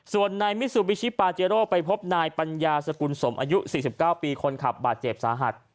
ส่วนนายมิซูบิชิปาเจโร่ไปพบนายปัญญาสกุลสมอายุ๔๙ปีคนขับบาดเจ็บสาหัส